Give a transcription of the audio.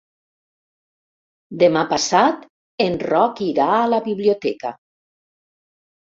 Demà passat en Roc irà a la biblioteca.